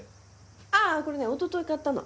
ああこれねおととい買ったの。